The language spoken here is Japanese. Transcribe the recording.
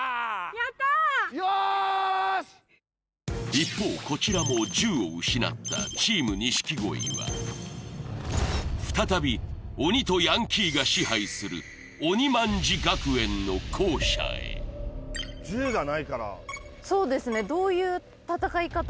一方こちらも銃を失ったチーム錦鯉は再び鬼とヤンキーが支配する鬼卍学園の校舎へそうですね